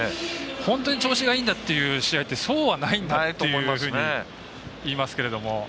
本当に調子がいいんだっていう試合はそうはないんだっていうふうに言いますけれども。